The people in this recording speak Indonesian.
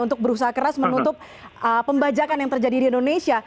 untuk berusaha keras menutup pembajakan yang terjadi di indonesia